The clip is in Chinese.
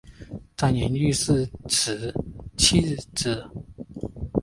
张廷玉是其次子。